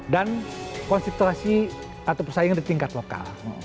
konsentrasi atau persaingan di tingkat lokal